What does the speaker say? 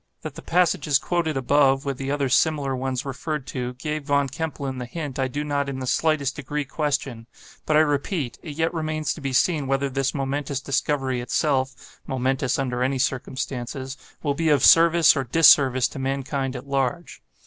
That the passages quoted above, with the other similar ones referred to, gave Von Kempelen the hint, I do not in the slightest degree question; but I repeat, it yet remains to be seen whether this momentous discovery itself (momentous under any circumstances) will be of service or disservice to mankind at large.